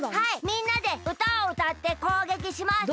みんなでうたをうたってこうげきします。